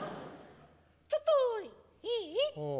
ちょっといい？